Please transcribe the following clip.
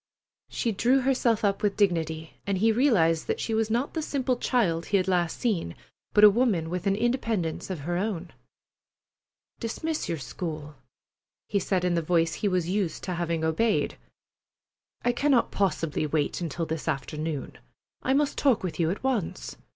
She drew herself up with dignity, and he realized that she was not the simple child he had seen last, but a woman with an independence of her own. "Dismiss your school," he said in the voice he was used to having obeyed. "I cannot possibly wait until this afternoon. I must talk with you at once.